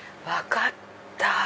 分かった。